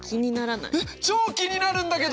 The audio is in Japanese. えっ超気になるんだけど！